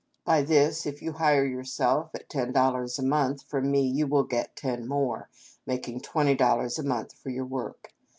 By this, if you hire yourself at ten dollars a month, from me you will get ten more, making twenty dollars a month for your work.